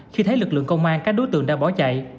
khi thấy lực lượng công an các đối tượng đã bỏ chạy